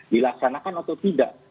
dilaksanakan atau tidak